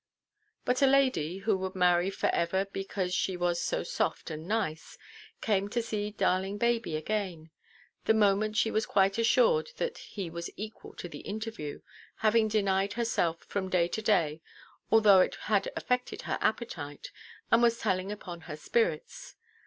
But a lady, who would marry for ever because she was so soft and nice, came to see darling baby again, the moment she was quite assured that he was equal to the interview, having denied herself from day to day, although it had affected her appetite, and was telling upon her spirits.